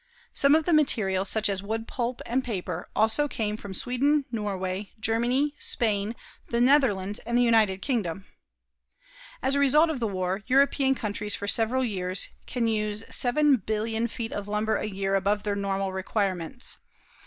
Some of the material, such as wood pulp and paper, also came from Sweden, Norway, Germany, Spain, the Netherlands and the United Kingdom. As a result of the war, European countries for several years can use 7,000,000,000 feet of lumber a year above their normal requirements.